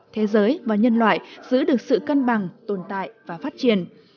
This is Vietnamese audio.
thế giới và nhân loại giữ được sự cân bằng tồn tại và phát triển